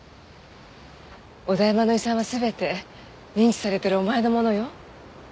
小田山の遺産は全て認知されてるお前のものよ。